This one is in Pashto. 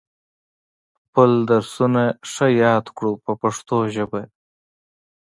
خپل درسونه ښه یاد کړو په پښتو ژبه.